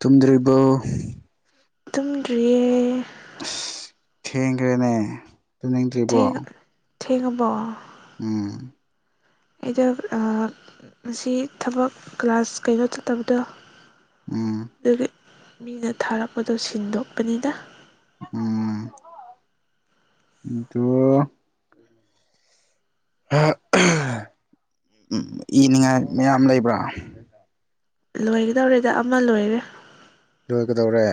ꯇꯨꯝꯗ꯭ꯔꯤꯕ ꯇꯨꯝꯗ꯭ꯔꯤꯌꯦ ꯑꯁ ꯊꯦꯡꯈ꯭ꯔꯦꯅꯦ ꯇꯨꯝꯅꯤꯡꯗ꯭ꯔꯤꯕꯣ ꯊꯦꯡ ꯊꯦꯡꯕꯣ ꯎꯝ ꯏꯗ ꯉꯁꯤ ꯊꯕꯛ ꯀ꯭ꯂꯥꯁ ꯀꯩꯅꯣ ꯆꯠꯇꯕꯗꯣ ꯎꯝ ꯑꯗꯨꯒꯤ ꯃꯤꯅ ꯊꯥꯔꯛꯄꯗꯣ ꯁꯤꯟꯗꯣꯛꯄꯅꯤꯗ ꯎꯝꯇꯣ ꯎꯝ ꯏꯅꯤꯡꯉꯥꯏ ꯃꯌꯥꯝ ꯂꯩꯕ꯭ꯔꯥ ꯂꯣꯏꯒꯗꯧꯔꯤꯦꯗ ꯑꯃ ꯂꯣꯏꯔꯦ ꯂꯣꯏꯒꯗꯧꯔꯦ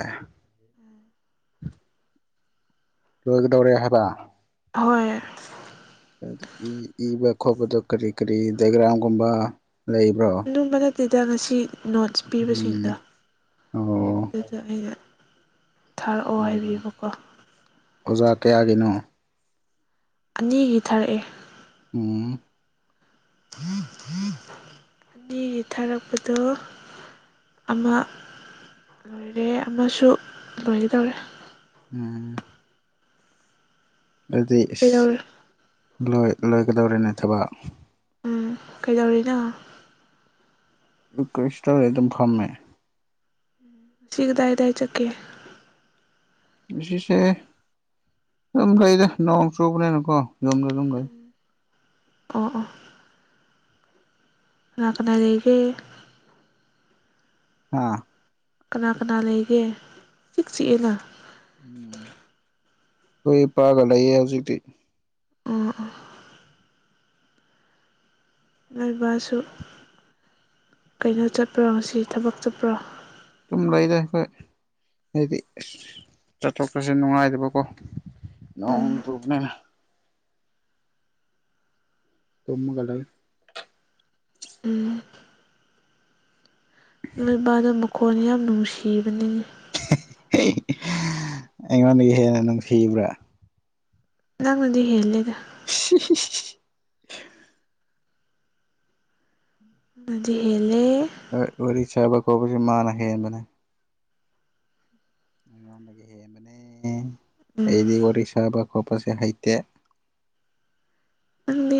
ꯂꯣꯏꯒꯗꯧꯔꯦ ꯍꯥꯏꯕ ꯍꯣꯏ ꯏꯕ ꯈꯣꯠꯄꯗꯣ ꯀꯔꯤ ꯀꯔꯤ ꯗꯥꯏꯒ꯭ꯔꯥꯎꯝꯒꯨꯝꯕ ꯂꯩꯕ꯭ꯔꯣ ꯀꯝꯕ ꯅꯠꯇꯦꯗ ꯉꯁꯤ ꯅꯣꯠꯁ ꯄꯤꯕꯁꯤꯡꯗꯣ ꯎꯝ ꯑꯣ ꯑꯗꯨꯗ ꯑꯩꯅ ꯊꯥꯔꯛꯑꯣ ꯍꯥꯏꯕꯤꯕꯀꯣ ꯑꯣꯖꯥ ꯀꯌꯥꯒꯤꯅꯣ ꯑꯅꯤꯒꯤ ꯊꯥꯔꯛꯑꯦ ꯎꯝ ꯎꯝ ꯎꯨꯝ ꯑꯅꯤꯒꯤ ꯊꯥꯔꯛꯄꯗꯣ ꯑꯃ ꯂꯣꯏꯔꯦ ꯑꯃꯁꯨ ꯂꯣꯏꯒꯗꯧꯔꯦ ꯎꯝ ꯑꯗꯨꯗꯤ ꯀꯩꯗꯧꯔꯦ ꯂꯣꯏ ꯂꯣꯏꯒꯗꯧꯔꯤꯅꯦ ꯊꯕꯛ ꯎꯝ ꯀꯩꯗꯧꯔꯤꯅꯣ ꯀꯣꯏꯁꯣꯦ ꯑꯗꯨꯝ ꯐꯝꯃꯦ ꯁꯤꯤꯒꯗꯥꯏꯗꯏ ꯆꯀꯦ ꯏꯁꯦ ꯂꯝ ꯂꯩꯩꯗ ꯅꯣꯡ ꯆꯨꯕꯅꯦꯅꯀꯣ ꯌꯨꯝꯒ ꯂꯨꯝꯒ ꯑꯣ ꯑꯣ ꯂꯥꯛꯅ ꯂꯩꯒꯦ ꯑꯥ ꯀꯅꯥ ꯀꯅꯥ ꯂꯩꯒꯦ ꯆꯤꯛꯁꯤꯤꯛꯑꯦꯅ ꯎꯝ ꯍꯈꯣꯏ ꯄꯥꯒ ꯂꯩꯌꯦ ꯍꯧꯖꯤꯛꯇꯤ ꯎ ꯅꯣꯏ ꯕꯥ ꯁꯨ ꯀꯩꯅꯣ ꯆꯠꯄ꯭ꯔꯣ ꯉꯁꯤ ꯊꯕꯛ ꯆꯠꯄ꯭ꯔꯣ ꯑꯗꯨꯝ ꯂꯩꯗ ꯑꯩꯈꯣꯏ ꯍꯥꯏꯗꯤ ꯆꯠꯊꯣꯛ ꯆꯠꯁꯤꯟ ꯅꯨꯡꯉꯥꯏꯇꯥꯕꯀꯣ ꯅꯣꯡ ꯎꯝ ꯆꯨꯕꯅꯦꯅ ꯇꯨꯝꯃꯒꯥ ꯂꯩ ꯎꯝ ꯅꯣꯏ ꯕꯥ ꯗꯣ ꯃꯈꯣꯟ ꯌꯥꯝ ꯅꯨꯡꯁꯤꯕꯅꯤꯅꯦ ꯑꯩꯉꯣꯟꯗꯒꯤ ꯍꯦꯟꯅ ꯅꯨꯡꯁꯤꯕ꯭ꯔꯥ ꯅꯪꯅꯗꯤ ꯍꯦꯜꯂꯦꯗ ꯎ ꯅꯗꯤ ꯍꯦꯂꯦ ꯋꯥꯔꯤ ꯁꯥꯕ ꯈꯣꯠꯄꯁ ꯃꯥꯅ ꯍꯦꯟꯕꯅꯦ ꯑꯩꯉꯣꯟꯗꯒꯤ ꯍꯦꯟꯕꯅꯦ ꯎꯝ ꯑꯩꯗꯤ ꯋꯥꯔꯤ ꯁꯥꯕ ꯈꯣꯠꯄꯁꯦ ꯍꯩꯇꯦ ꯅꯪꯗꯤ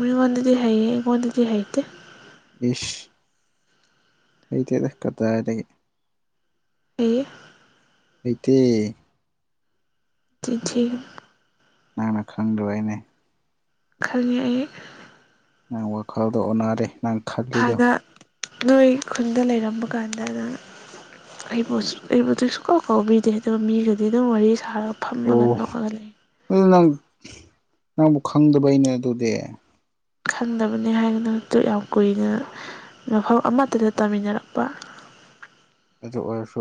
ꯃꯤꯉꯣꯟꯗꯗꯤ ꯍꯩꯌꯦ ꯑꯩꯉꯣꯟꯗꯗꯤ ꯍꯩꯇꯦ ꯁ ꯍꯇꯗ ꯀꯗꯥꯗꯒꯤꯦ ꯑꯩ ꯂꯩꯇꯦ ꯆꯤꯟ ꯊꯤꯒꯅꯨ ꯅꯪꯅ ꯈꯪꯗꯕꯩꯅꯦ ꯈꯪꯉꯤ ꯑꯩ ꯅꯪ ꯋꯥꯈꯜꯗꯣ ꯑꯣꯟꯅꯔꯦ ꯅꯪ ꯈꯜꯂꯤꯗꯣ ꯍꯥꯟꯅ ꯅꯣꯏ ꯈꯨꯟꯗ ꯂꯩꯔꯝꯕ ꯀꯥꯟꯗ ꯅꯪ ꯑꯩꯕꯨ ꯑꯩꯕꯨ ꯀꯩ ꯁꯨꯡꯀꯥꯎ ꯀꯥꯎꯕꯤꯗꯦ ꯑꯗꯨꯒ ꯃꯤꯒꯗꯤ ꯑꯗꯨꯝ ꯋꯥꯔꯤ ꯁꯥꯔꯒ ꯐꯝꯃꯒ ꯑꯣ ꯅꯣꯛꯑꯒ ꯂꯩ ꯑꯗꯨ ꯅꯪ ꯅꯪꯕꯨ ꯈꯪꯗꯕꯕꯩꯅꯦ ꯑꯗꯨꯗꯤ ꯈꯪꯗꯕꯅꯤ ꯍꯥꯏꯗꯅꯛꯇ ꯌꯥꯝ ꯀꯨꯏꯅ ꯃꯐꯝ ꯑꯃꯠꯇꯗ ꯇꯥꯃꯤꯟꯅꯔꯛꯄ ꯑꯗꯨ ꯑꯣꯏꯔꯁꯨ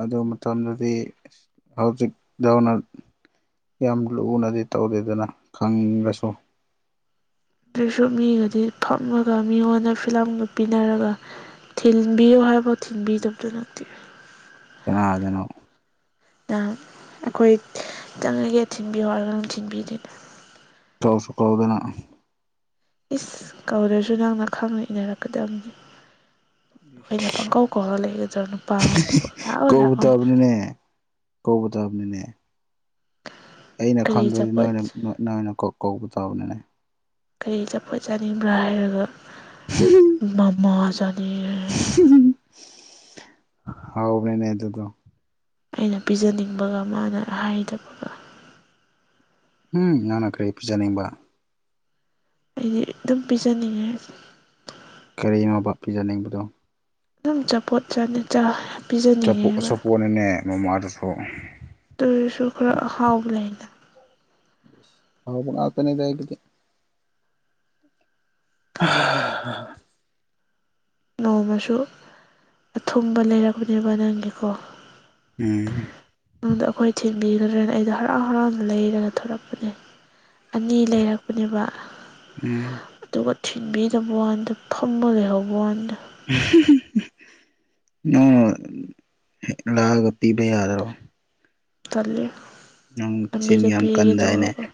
ꯑꯗꯨ ꯃꯇꯝꯗꯗꯤ ꯍꯧꯖꯤꯛ ꯗꯧꯅ ꯌꯥꯝ ꯂꯨꯅꯗꯤ ꯇꯧꯗꯦꯗꯅ ꯈꯪꯉꯁꯨ ꯑꯗꯨꯁꯨ ꯃꯤꯒꯗꯤ ꯐꯝꯃꯒ ꯃꯤꯉꯣꯟꯗ ꯐꯤꯂꯝꯒ ꯄꯤꯅꯔꯒ ꯊꯤꯟꯕꯤꯌꯨ ꯍꯥꯏꯐꯥꯎ ꯊꯤꯟꯕꯤꯗꯕꯗꯨ ꯅꯪꯗꯤ ꯀꯅꯥꯗꯅꯣ ꯅꯪ ꯑꯩꯈꯣꯏ ꯆꯪꯂꯤꯒꯦ ꯊꯤꯟꯕꯤꯌꯣ ꯍꯥꯏꯔꯒ ꯑꯗꯨꯝ ꯊꯤꯟꯕꯤꯗꯦꯅ ꯀꯧꯁꯨ ꯀꯧꯗꯅ ꯏꯁ ꯀꯧꯗ꯭ꯔꯁꯨ ꯅꯪꯅ ꯈꯪꯅ ꯏꯟꯅꯔꯛꯀꯗꯕꯅꯤ ꯑꯩꯅ ꯄꯥꯡꯀꯧ ꯀꯂ ꯂꯩꯒ ꯆꯅ ꯀꯧꯕꯥ ꯇꯥꯕꯅꯤꯅꯦ ꯀꯧꯕꯥ ꯇꯥꯕꯅꯤꯅꯦ ꯑꯩꯅ ꯀꯔꯤ ꯈꯪꯗ꯭ꯔꯗꯤ ꯑꯆꯥꯄꯣꯠ ꯅꯣꯏꯅ ꯅꯣꯏꯅ ꯀꯧꯕ ꯇꯥꯕꯅꯤꯅꯦ ꯀꯩ ꯑꯆꯥꯄꯣꯠ ꯆꯥꯅꯤꯡꯕ꯭ꯔꯥ ꯍꯥꯏꯔꯒ ꯃꯃꯥ ꯆꯥꯅꯤꯡ ꯌꯦ ꯍꯥꯎꯕꯅꯤꯅꯦ ꯑꯗꯨ ꯗꯣ ꯑꯩꯅ ꯄꯤꯖꯅꯤꯡꯕꯒ ꯃꯥꯅ ꯍꯥꯏꯗꯕꯒ ꯎꯝ ꯅꯪꯅ ꯀꯔꯤ ꯄꯨꯖꯅꯤꯡꯕ ꯑꯩꯗꯤ ꯑꯗꯨꯝ ꯄꯤꯖꯅꯤꯡꯉꯦ ꯀꯔꯤꯅꯣꯕ ꯄꯤꯖꯅꯤꯡꯕꯗꯣ ꯑꯗꯨꯝꯆꯥꯄꯣꯠ ꯄꯤꯖꯅꯤꯡꯉꯦꯕ ꯍꯣꯟꯅ ꯃꯃꯥ ꯗꯨꯐꯥꯎ ꯑꯗꯨꯏꯁꯨ ꯈꯔ ꯑꯍꯥꯎꯕ ꯂꯩꯅ ꯍꯥꯎꯕꯥ ꯉꯛꯇꯅꯦꯗꯥ ꯑꯩꯒꯤꯗꯤ ꯎ ꯅꯣꯡꯃꯁꯨ ꯑꯊꯨꯡꯕ ꯂꯩꯔꯛꯄꯥꯅꯦꯕ ꯅꯪꯒꯤꯀꯣ ꯎꯝ ꯅꯉꯣꯟꯗ ꯑꯩꯈꯣꯏ ꯊꯤꯟꯕꯤꯒꯗ꯭ꯔꯅ ꯑꯩꯗꯣ ꯍꯔꯥꯎ ꯍꯔꯥꯎꯅ ꯂꯩꯔꯒ ꯊꯂꯛꯄꯅꯦ ꯑꯅꯤ ꯂꯩꯔꯛꯄꯅꯦꯕ ꯎꯝ ꯑꯗꯨꯒ ꯊꯤꯟꯕꯤꯗꯕ ꯋꯥꯅꯤꯗ ꯐꯝꯃ ꯂꯩꯍꯧꯕ ꯋꯥꯅꯦ ꯅꯪ ꯂꯥꯛꯑꯒ ꯄꯤꯕ ꯌꯥꯗ꯭ꯔꯣ ꯇꯜꯂꯤ ꯅꯪ ꯆꯤꯟ ꯂꯝꯕꯤꯗ ꯌꯥꯝ ꯄꯤꯒꯦ ꯀꯟꯗꯥꯏꯅꯦ ꯇꯧꯔꯒ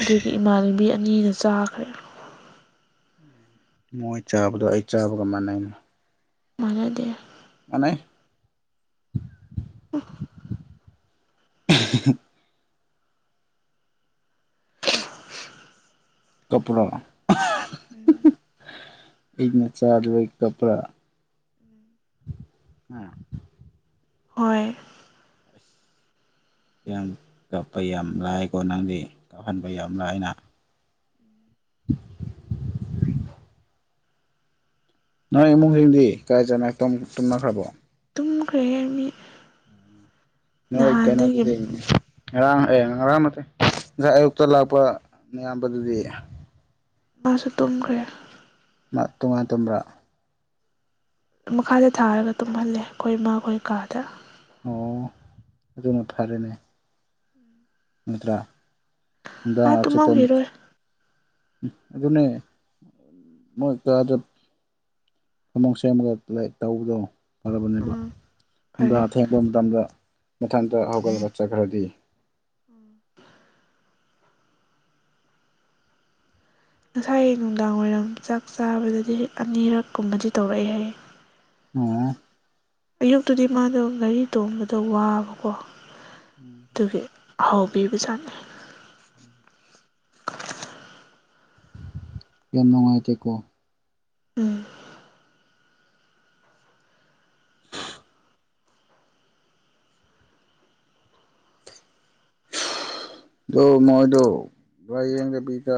ꯑꯗꯨꯒꯤ ꯏꯃꯥꯟꯅꯕꯤ ꯑꯅꯤꯅ ꯆꯥꯈ꯭ꯔꯦ ꯃꯣꯏ ꯆꯥꯕꯗꯣ ꯑꯩ ꯆꯥꯕꯒ ꯃꯥꯟꯅꯩꯩꯅ ꯃꯥꯟꯅꯗꯦ ꯃꯥꯅꯦ ꯎ ꯀꯞꯄꯔꯣ ꯎꯝ ꯑꯩꯅꯥ ꯆꯥꯗꯕꯩ ꯀꯞꯄꯔꯥ ꯎꯝ ꯍꯣꯏ ꯌꯥꯝ ꯀꯥꯞꯄ ꯌꯥꯝ ꯂꯥꯏꯀꯣ ꯅꯪꯗꯤ ꯀꯥꯞꯍꯟꯕ ꯌꯥꯝ ꯂꯥꯏꯅ INAUDIBLE ꯅꯣꯏ ꯏꯃꯨꯡ ꯃꯤꯁꯤꯡꯗꯤ ꯀꯥꯏ ꯆꯠꯅꯈꯔ꯭ꯕꯣ ꯇꯨꯝꯅꯈ꯭ꯔꯕꯣ ꯇꯨꯝꯈ꯭ꯔꯦ ꯃꯤ ꯅꯣꯏ ꯅꯍꯥꯟ ꯀꯩꯅꯣꯗꯨꯗꯤ ꯉꯔꯥꯡ ꯑꯦ ꯉꯔꯥꯡ ꯅꯠꯇꯦ ꯉꯁꯥꯏ ꯑꯌꯨꯛꯇ ꯂꯥꯛꯄ ꯅꯌꯥꯝꯕꯗꯨꯗꯤ ꯃꯥꯁꯨ ꯇꯨꯝꯈ꯭ꯔꯦ ꯇꯣꯉꯥꯟ ꯇꯨꯝꯕꯔ꯭ ꯃꯈꯥꯗ ꯊꯥꯔꯒ ꯇꯨꯝꯍꯜꯂꯦ ꯑꯩꯈꯣꯏ ꯏꯃꯥꯈꯣꯏ ꯀꯥꯗ ꯑꯣ ꯑꯗꯨꯅ ꯐꯔꯦꯅꯦ ꯅꯠꯇ꯭ꯔꯥ ꯅꯨꯡꯗꯥ ꯃꯥ ꯆꯨꯞꯄ ꯇꯨꯝꯃꯝꯈꯤꯔꯣꯏ ꯑꯗꯨꯅꯦ ꯃꯣꯏ ꯀꯥꯗ ꯑꯃꯃ ꯁꯦꯝꯃꯒ ꯇꯧꯕꯗꯣ ꯐꯔꯕꯅꯦꯕ ꯎꯝ ꯐꯔꯦ ꯅꯨꯡꯗꯥꯡ ꯑꯊꯦꯡꯕ ꯃꯇꯝꯗ ꯃꯊꯟꯇ ꯍꯧꯒꯠꯂꯒ ꯆꯠꯈ꯭ꯔꯗꯤ ꯎꯝ ꯉꯁꯥꯏ ꯅꯨꯡꯗꯥꯡ ꯋꯥꯏꯔꯝ ꯆꯥꯛ ꯆꯥꯕꯗꯗꯤ ꯑꯅꯤꯔꯛ ꯀꯨꯝꯕꯗꯤ ꯇꯧꯔꯛꯏ ꯍꯥꯏꯌꯦ ꯑꯣ ꯑꯌꯨꯛꯇꯗꯤ ꯃꯥꯗꯣ ꯒꯥꯔꯤ ꯇꯣꯡꯕꯗ ꯋꯥꯕꯀꯣ ꯑꯗꯨꯒꯤ ꯍꯥꯎꯕꯤꯕꯖꯥꯠꯅꯤ ꯌꯥꯝ ꯅꯨꯡꯉꯥꯏꯇꯦꯀꯣ ꯎꯝ ꯑꯣ ꯃꯣꯏꯗꯣ ꯂꯥꯏꯌꯦꯡꯗꯕꯤꯗ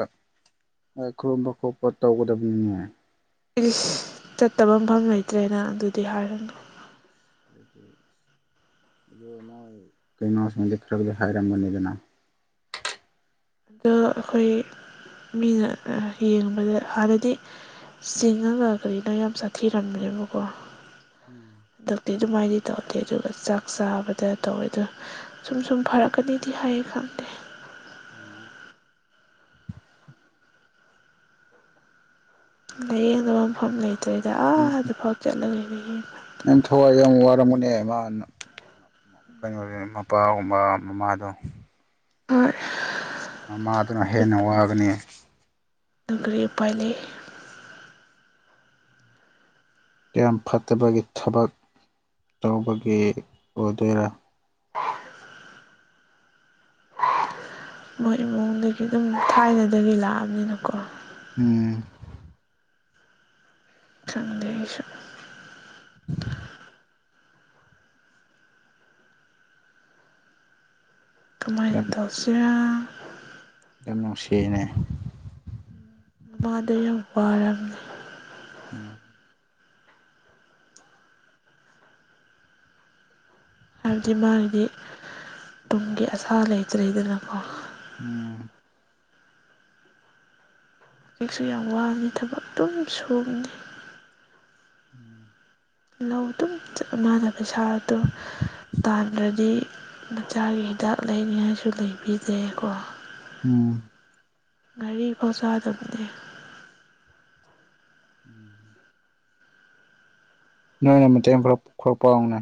ꯂꯥꯏ ꯈꯣꯏꯔꯝꯕ ꯈꯣꯠꯄ ꯇꯧꯒꯗꯕꯅꯤꯅꯦ ꯏꯁ ꯆꯠꯇꯕ ꯃꯐꯝ ꯂꯩꯇ꯭ꯔꯦꯅ ꯑꯗꯨꯗꯤ ꯍꯥꯏꯔꯅꯣ ꯑꯗꯨ ꯃꯣꯏ ꯀꯩꯅꯣꯁꯤꯃꯗꯤ ꯈꯔꯗꯤ ꯍꯥꯏꯔꯝꯒꯅꯤꯗꯅ ꯑꯗꯣ ꯑꯩꯈꯣꯏ ꯃꯤꯅ ꯌꯦꯡꯕꯗ ꯍꯥꯟꯅꯗꯤ ꯆꯤꯡꯉꯒ ꯀꯩꯅꯣ ꯌꯥꯝ ꯁꯥꯊꯤꯔꯝꯕꯅꯦꯕꯀꯣ ꯎꯝ ꯍꯟꯗꯛꯇꯤ ꯑꯗꯨꯃꯥꯏꯅꯗꯤ ꯇꯧꯗꯦ ꯑꯗꯨꯒ ꯆꯥꯛ ꯆꯥꯕꯗ ꯇꯧꯋꯦꯗ ꯁꯨꯝ ꯁꯨꯝ ꯐꯔꯛꯀꯅꯤꯗꯤ ꯍꯥꯏꯌꯦ ꯈꯪꯗꯦ ꯑꯣ ꯂꯥꯏꯌꯦꯡꯗꯕ ꯃꯐꯝ ꯂꯩꯇꯔ꯭ꯦꯗ ꯑꯥꯗꯐꯥꯎ ꯆꯠꯂꯒ ꯌꯦꯡꯕꯅꯦ ꯌꯥꯝ ꯊꯋꯥꯏ ꯌꯥꯝ ꯋꯥꯔꯝꯒꯅꯦ ꯃꯥꯅ ꯀꯩꯅꯣꯅꯦ ꯃꯄꯥꯒꯨꯝꯕ ꯃꯃꯥꯗꯣ ꯍꯣꯏ ꯃꯃꯥꯗꯨꯅ ꯑꯗꯨ ꯍꯦꯟꯅ ꯋꯥꯒꯅꯤ ꯀꯔꯤ ꯎꯄꯥꯏ ꯂꯩ ꯌꯥꯝ ꯐꯠꯇꯕꯒꯤ ꯊꯕꯛ ꯇꯧꯕꯒꯤ ꯑꯣꯏꯗꯣꯏꯔꯥ ꯑ ꯃꯣꯏ ꯏꯃꯨꯡꯗꯒꯤ ꯑꯗꯨꯝ ꯊꯥꯏꯅꯗꯒꯤ ꯂꯥꯛꯑꯕꯅꯤꯅꯀꯣ ꯎꯝ ꯊꯪꯗꯦ ꯎ ꯀꯃꯥꯏꯅ ꯌꯥꯝ ꯇꯧꯁꯤꯦ ꯌꯥꯝ ꯅꯨꯡꯁꯤꯅꯦ ꯃꯗꯣ ꯌꯥꯝ ꯋꯥꯔꯝꯅꯦ ꯑꯣ ꯍꯥꯏꯕꯗꯤ ꯃꯥꯒꯤꯗꯤ ꯇꯨꯡꯒꯤ ꯑꯁꯥ ꯂꯩꯇ꯭ꯔꯦꯗꯅꯀꯣ ꯎꯝ ꯍꯧꯖꯤꯛꯁꯨ ꯌꯥꯝ ꯋꯥꯕꯅꯤ ꯊꯕꯛ ꯑꯗꯨꯝ ꯁꯨꯕꯅꯤ ꯎꯝ ꯂꯧ ꯑꯗꯨꯝ ꯆꯠ ꯃꯥꯅ ꯄꯩꯁꯥꯗꯣ ꯇꯥꯟꯗ꯭ꯔꯗꯤ ꯃꯆꯥꯒꯤ ꯍꯤꯗꯥꯛ ꯂꯩꯅꯤꯡꯉꯥꯏꯁꯨ ꯂꯩꯕꯤꯗꯩꯀꯣ ꯎꯝ ꯒꯥꯔꯤ ꯐꯥꯎ ꯆꯥꯗꯕꯅꯦ ꯎꯝ ꯅꯣꯏꯅ ꯃꯇꯦꯡ ꯈꯔ ꯈꯔ ꯄꯥꯡꯅꯦ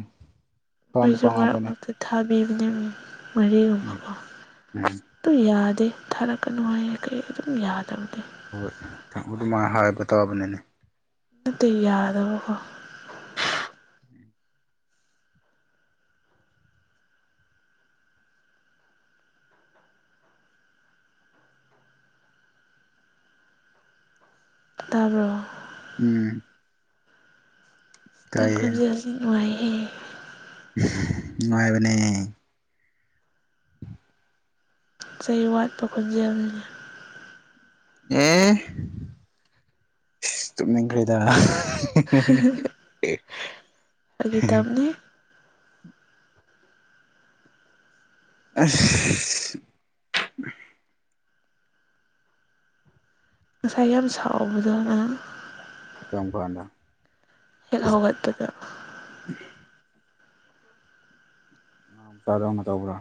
ꯄꯥꯡꯗ ꯑꯩꯈꯣꯏꯁꯨ ꯃꯔꯛ ꯄꯥꯡꯉꯝꯒꯅꯤ ꯃꯔꯛꯇ ꯊꯥꯕꯤꯕꯅꯦ ꯎꯝ ꯃꯔꯤꯒꯨꯝꯕꯀꯣ ꯎꯝ ꯑꯗꯨ ꯌꯥꯗꯦ ꯊꯥꯔꯛꯀꯅꯨ ꯍꯥꯏ ꯀꯩ ꯑꯗꯨꯝ ꯌꯥꯗꯕꯗꯤ ꯍꯣꯏ ꯊꯃꯣ ꯑꯗꯨꯃꯥꯏꯅ ꯍꯥꯏꯕ ꯇꯥꯕꯅꯤꯅꯦ ꯠꯇ ꯌꯥꯗꯕꯀꯣ ꯇꯥꯔꯣ ꯎꯝ ꯇꯥꯏꯌꯦ ꯇꯥꯡꯈꯁ ꯑꯁꯤ ꯅꯨꯡꯉꯥꯏꯍꯦ ꯅꯨꯡꯉꯥꯏꯕꯅꯤ ꯆꯩ ꯋꯥꯠꯄ ꯈꯣꯟꯖꯦꯜꯅꯤ ꯑꯦ ꯇꯅ ꯀꯔꯤꯗ ꯑꯦ ꯑꯩꯒꯤꯇꯝꯅꯦ ꯑ ꯉꯁꯥꯏ ꯌꯥꯝ ꯁꯥꯎꯕꯗꯅ ꯀꯝ ꯐꯥꯟꯗ ꯍꯦꯛ ꯍꯧꯒꯠꯄꯗ ꯇꯥꯔꯗ ꯅ ꯇꯧꯕꯔ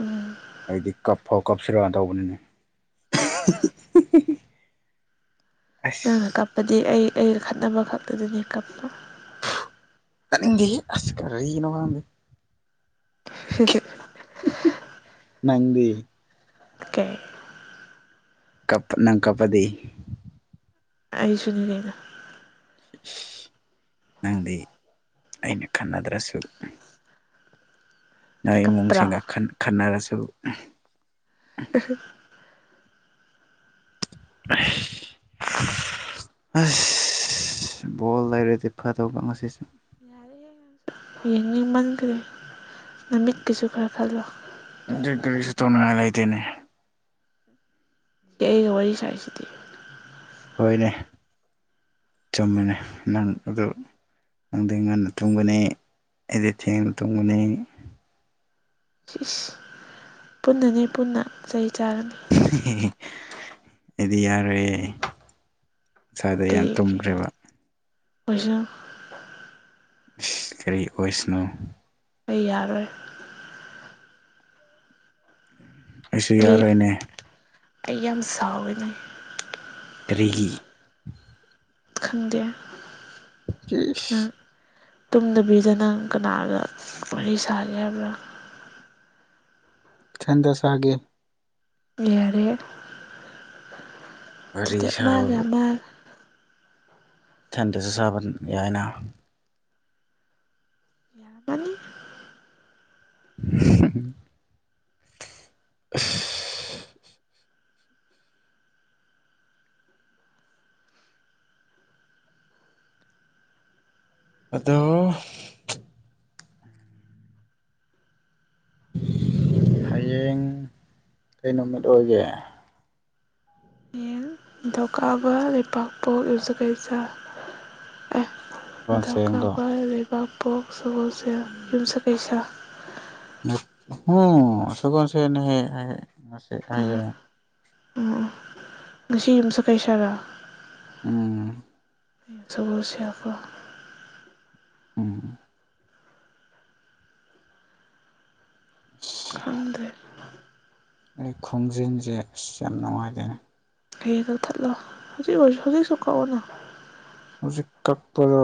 ꯎꯝ ꯑꯩꯗꯤ ꯀꯞꯐꯥꯎ ꯀꯞꯁꯤꯔꯣꯅ ꯇꯧꯕꯅꯤꯅꯦ ꯑꯁ ꯅꯪꯅ ꯀꯞꯄꯗꯤ ꯑꯩ ꯑꯩꯒ ꯈꯠꯅꯕ ꯈꯛꯇꯨꯗꯅꯦ ꯀꯞꯄꯣ ꯇꯅꯤꯡ ꯍꯗꯤ ꯑꯁ ꯀꯔꯅ ꯋꯥꯃꯤ ꯁꯤꯁꯦ ꯅꯪꯗꯤ ꯀꯩ ꯀꯞ ꯅꯪ ꯀꯞꯄꯗꯤ ꯑꯩꯁꯨꯅꯤꯗꯅ ꯅꯪꯗꯤ ꯑꯩꯅ ꯈꯟꯅꯗ꯭ꯔꯁꯨ ꯅꯪ ꯀꯞꯄ꯭ꯔꯣ ꯏꯃꯨꯡꯁꯤꯡꯒ ꯈꯟꯅꯔꯁꯨ [unintelligible] ꯇꯁ ꯑꯁ ꯕꯣꯜ ꯂꯩꯔꯗꯤ ꯐꯗꯧꯕ ꯉꯁꯤꯁꯦ ꯌꯥꯔꯦꯍꯦ ꯅꯪꯁꯨ ꯌꯦꯡꯅꯤꯡꯃꯟꯈ꯭ꯔꯦ ꯅꯃꯤꯠꯀꯤꯁꯨ ꯈꯔ ꯈꯜꯂꯣ [unintelligible] ꯇꯨꯃꯤꯟꯅ ꯂꯩꯇꯦꯅꯦ ꯑꯩꯅꯥ ꯋꯥꯔꯤ ꯁꯔꯤꯁꯤꯗꯤ ꯍꯣꯏꯅꯦ ꯆꯨꯝꯃꯤꯅꯦ ꯅꯪ ꯑꯗꯨ ꯅꯪꯗꯤ ꯉꯟꯅ ꯇꯨꯝꯒꯅꯤ ꯑꯩꯗꯤ ꯊꯦꯡꯅ ꯇꯨꯝꯒꯅꯤ ꯄꯨꯟꯅꯅꯤ ꯄꯨꯟꯅ ꯆꯩ ꯆꯥꯔꯅꯤ ꯗꯨꯗꯤ ꯌꯥꯔꯦꯏꯌꯦ ꯀꯩꯒꯤ [unintelligible] ꯀꯔꯤ ꯑꯣꯏꯁꯅꯣ ꯑꯩ ꯌꯥꯔꯣꯏ ꯑꯩꯁꯨ ꯑꯩ ꯌꯥꯔꯣꯏꯅꯦ ꯑꯩ ꯌꯥꯝ ꯁꯥꯎꯋꯅꯦ ꯀꯔꯤꯍꯤ ꯈꯪꯗꯦ ꯅꯪ ꯇꯁ ꯇꯨꯝꯗꯕꯤꯗ ꯅꯪ ꯀꯅꯥꯗ ꯋꯥꯔꯤ ꯁꯥꯒꯦ ꯍꯥꯏꯕ꯭ꯔꯥ ꯊꯟꯗ ꯁꯥꯒꯦ ꯌꯥꯔꯦ ꯋꯥꯔꯤ ꯁꯥꯕꯕꯨ [unintelligible] [unintelligible] ꯌꯥꯏꯅ ꯌꯥꯒꯅꯤ ꯑꯁ ꯑꯗꯣ ꯍꯌꯦꯡ ꯀꯩ ꯅꯨꯃꯤꯠ ꯑꯣꯏꯒꯦ ꯍꯌꯦꯡ ꯅꯤꯡꯊꯧꯀꯥꯕ ꯂꯩꯄꯥꯛꯄꯣꯛ ꯌꯨꯝꯁꯀꯩꯁ ꯑꯦ ꯁꯒꯣꯜꯁꯦꯟꯀꯣ ꯅꯤꯡꯊꯧꯀꯥꯕ ꯂꯩꯕꯥꯛꯄꯣꯛ ꯁꯒꯣꯜꯁꯦꯜ ꯌꯨꯝꯁꯀꯩꯁ ꯅꯠ ꯍꯣ ꯁꯒꯣꯜꯁꯦꯟ ꯅꯦꯍꯦ ꯍꯥꯏ ꯉꯁꯤ ꯍꯥꯏꯌꯦ ꯎꯝ ꯎꯝ ꯎꯝ ꯉꯁꯤ ꯌꯨꯝꯁꯀꯩꯁ ꯔꯥ ꯎꯝ ꯁꯒꯣꯜꯁꯦꯜ ꯀꯣ ꯎꯝ ꯑꯁ ꯈꯪꯗꯦ ꯑꯩ ꯈꯣꯡꯖꯤꯟꯁꯦ ꯑꯁ ꯌꯥꯝ ꯅꯨꯡꯉꯥꯏꯇꯦꯅꯦ ꯀꯩꯒꯤ ꯀꯛꯊꯠꯂꯣ ꯍꯧꯖꯤꯛ ꯑꯣꯏꯁꯨ ꯍꯧꯖꯤꯛꯁꯨ ꯀꯛꯑꯣꯅꯦ ꯍꯧꯖꯤꯛ ꯀꯛꯄꯗꯣ